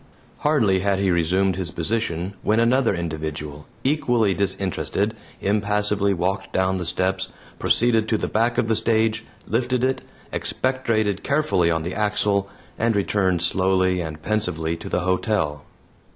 Hardly had he resumed his position when another individual, equally disinterested, impassively walked down the steps, proceeded to the back of the stage, lifted it, expectorated carefully on the axle, and returned slowly and pensively to the hotel.